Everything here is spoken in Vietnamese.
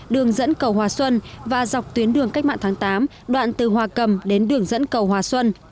đường dẫn cầu hòa xuân và dọc tuyến đường cách mạng tháng tám đoạn từ hòa cầm đến đường dẫn cầu hòa xuân